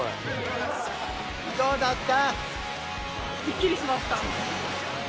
どうだった？